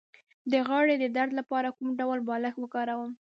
د غاړې د درد لپاره کوم ډول بالښت وکاروم؟